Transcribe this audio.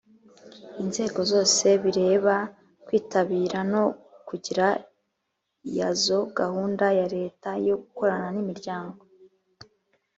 Inzego zose bireba kwitabira no kugira iyazo gahunda ya leta yo gukorana n imiryango